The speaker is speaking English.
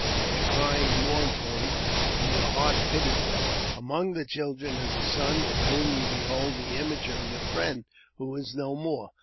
They are crying mournfully, and your heart pities them. Among the children is a son in whom you behold the image of your friend who is no more.